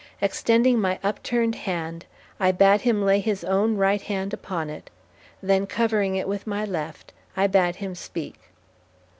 Extending my upturned hand, I bade him lay his own right hand upon it, then covering it with my left, I bade him speak.